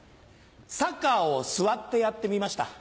サッカーを座ってやってみました。